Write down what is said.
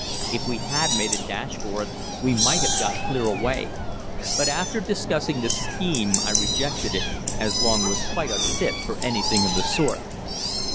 If we had made a dash for it, we might have got clear away, but after discussing the scheme I rejected it, as Long was quite unfit for anything of the sort.